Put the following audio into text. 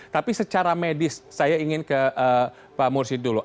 tapi secara medis saya ingin ke pak mursyid dulu